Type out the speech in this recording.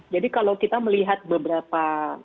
jadi kalau kita melihat beberapa minggu atau mungkin satu dua bulan